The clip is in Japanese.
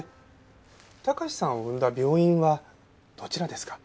貴史さんを産んだ病院はどちらですか？